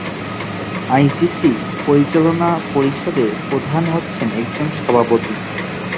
ICC পরিচালনা পরিষদের প্রধান হচ্ছেন একজন সভাপতি।